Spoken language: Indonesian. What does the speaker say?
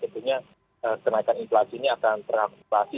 tentunya kenaikan inflasi ini akan terangkan inflasi